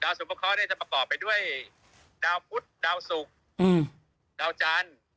ดาวสุปกรณ์ได้จะประกอบไปด้วยดาวพุทธดาวสุขดาวจันทร์